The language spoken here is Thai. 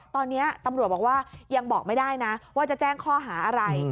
ตอนนี้ตำรวจบอกว่ายังบอกไม่ได้นะว่าจะแจ้งข้อหาอะไร